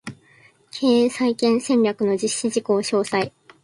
経営再建戦略の実施事項詳細